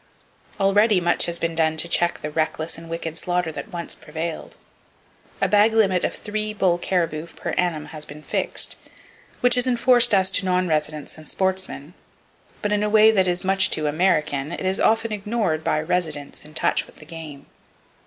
Already much has been done to check the reckless and wicked slaughter that once prevailed. A bag limit of three bull caribou per annum has been fixed, which is enforced as to non residents and sportsmen, but in a way that is much too "American" it is often ignored by residents in touch with the game.